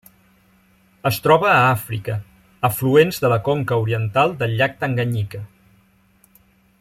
Es troba a Àfrica: afluents de la conca oriental del llac Tanganyika.